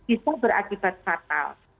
itu berakibat fatal